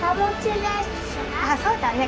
そうだね